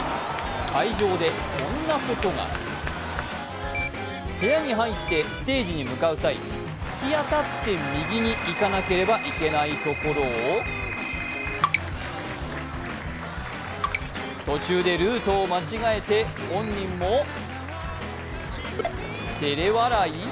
会場でこんなことが部屋に入ってステージに向かう際、突き当たって右に行かなければいけないところを途中でルートを間違えて本人も照れ笑い。